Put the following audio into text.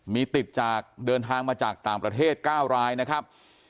มีติดจากเดินทางมาจากต่างประเทศ๙รายนะครับ